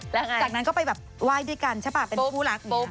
และอย่างไรจากนั้นก็ไปแบบวาทีด้วยกันใช่เปล่าปุ้บเป็นผู้รัก